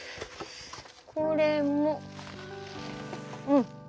これもうん。